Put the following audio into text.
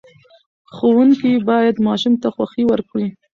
ښوونکي باید ماشوم ته خوښۍ ورکړي.